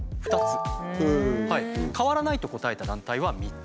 変わらないと答えた団体は３つ。